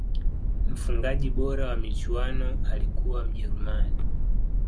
mfungaji bora wa michuano alikuwa mjerumani